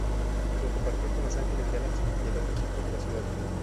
Lo compartía con Los Angeles Galaxy, el otro equipo de la ciudad.